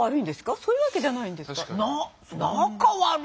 そういうわけじゃないんですか？